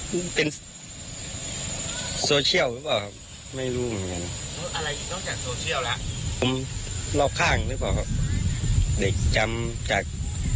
เด็กจำจาก